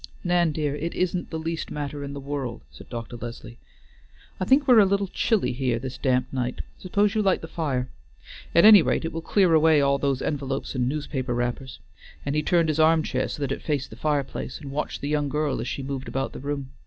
"Nan dear, it isn't the least matter in the world!" said Dr. Leslie. "I think we are a little chilly here this damp night; suppose you light the fire? At any rate it will clear away all those envelopes and newspaper wrappers," and he turned his arm chair so that it faced the fireplace, and watched the young girl as she moved about the room.